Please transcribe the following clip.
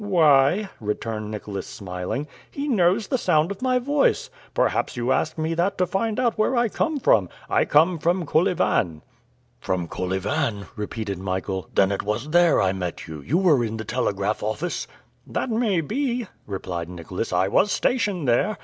"Why!" returned Nicholas, smiling, "he knows the sound of my voice! Perhaps you ask me that to find out where I come from. I come from Kolyvan." "From Kolyvan?" repeated Michael. "Then it was there I met you; you were in the telegraph office?" "That may be," replied Nicholas. "I was stationed there.